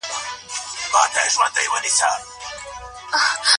ولې ښوونځي د بدلون لامل دي؟